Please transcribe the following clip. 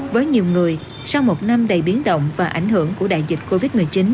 với nhiều người sau một năm đầy biến động và ảnh hưởng của đại dịch covid một mươi chín